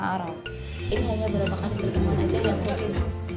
ini hanya berapa kasih pertemuan aja ya prosesnya